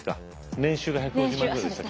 年収が１５０万ぐらいでしたっけ。